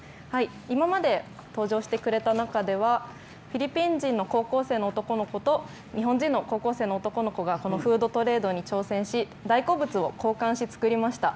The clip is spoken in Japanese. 今まで登場してくれた中ではフィリピン人の高校生の男の子と日本人の高校生の男の子が「ふうどトレード」に挑戦し大好物を交換し、作りました。